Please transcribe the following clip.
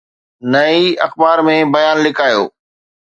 نه ئي اخبار ۾ بيان لڪايو.